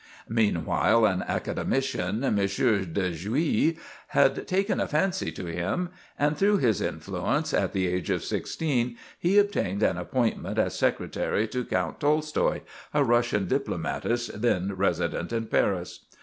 Meanwhile, an academician, M. de Jouy, had taken a fancy to him; and through his influence, at the age of sixteen, he obtained an appointment as secretary to Count Tolstoï, a Russian diplomatist then resident in Paris.